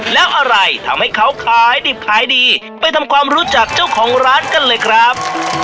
แล้วอะไรทำให้เขาขายดิบขายดีไปทำความรู้จักเจ้าของร้านกันเลยครับ